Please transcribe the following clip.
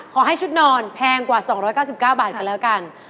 ขอให้ชุดนอนแพงกว่า๒๙๙บาทกันแล้วกัน